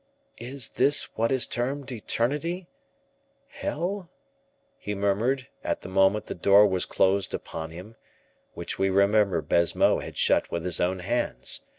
"Is this what is termed eternity hell?" he murmured, at the moment the door was closed upon him, which we remember Baisemeaux had shut with his own hands.